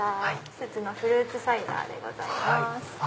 季節のフルーツサイダーです。